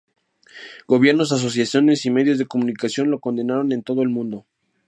Gobiernos, asociaciones y medios de comunicación lo condenaron en todo el mundo.